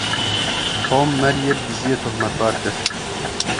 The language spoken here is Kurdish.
Tom, Maryê bi diziyê tohmetbar kir.